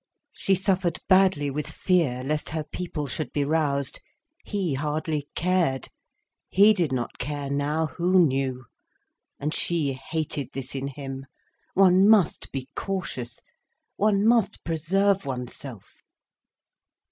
She suffered badly with fear, lest her people should be roused. He hardly cared. He did not care now who knew. And she hated this in him. One must be cautious. One must preserve oneself.